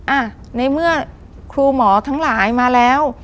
อ่ะในเมื่อครูหมอทั้งหลายมาแล้ว